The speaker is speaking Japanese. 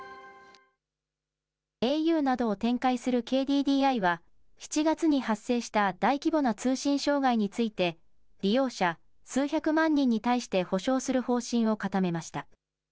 ａｕなどを展開するＫＤＤＩは、７月に発生した大規模な通信障害について、利用者数百万人に対して補償する方針を固めました。